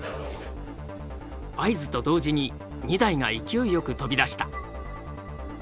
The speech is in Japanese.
合図と同時に２台が勢いよく飛び出した。